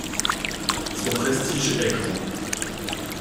Son prestige est grand.